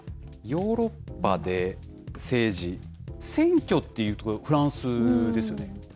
ヨーロッパで政治、選挙というとフランスですよね。